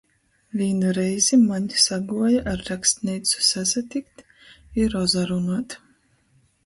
Vīnu reizi maņ saguoja ar rakstneicu sasatikt i rozarunuot.